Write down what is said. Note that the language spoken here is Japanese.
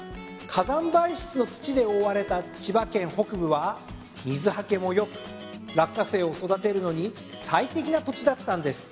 火山灰質の土で覆われた千葉県北部は水はけも良くラッカセイを育てるのに最適な土地だったんです。